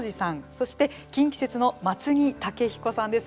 そして近畿説の松木武彦さんです。